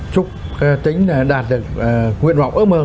chúc tín đạt được nguyên mọc ước mơ